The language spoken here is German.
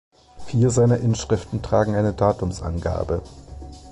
Vier seiner Inschriften tragen eine Datumsangabe.